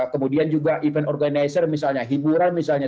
kemudian juga event organizer misalnya hiburan misalnya